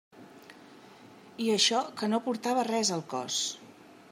I això que no portava res al cos.